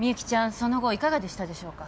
その後いかがでしたでしょうか？